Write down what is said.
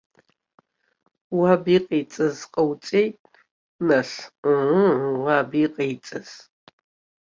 Уаб иҟаиҵаз ҟауҵеит, нас, ыы, уаб иҟаиҵаз!